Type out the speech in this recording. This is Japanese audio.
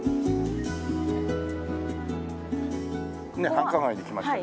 繁華街に来ましたよ。